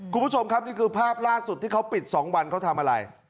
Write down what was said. คุณผู้ชมครับนี่คือภาพล่าสุดที่เขาปิด๒วันเขาทำอะไร